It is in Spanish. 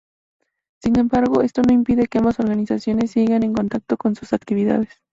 Sin embargo, esto no impide que ambas organizaciones sigan en contacto con sus actividades.